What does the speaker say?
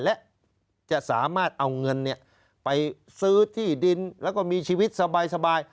และจะสามารถเอาเงินไปซื้อที่ดินแล้วก็มีชีวิตสบาย